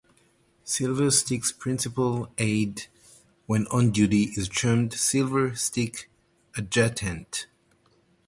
Silver Stick's principal aide when on duty is termed Silver Stick Adjutant.